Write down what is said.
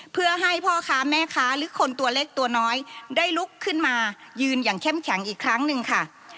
เพื่อให้พ่อค้าแม่ค้าหรือคนตัวเล็กตัวน้อยได้ลุกขึ้นมายืนอย่างเข้มแข็งอีกครั้งหนึ่งค่ะ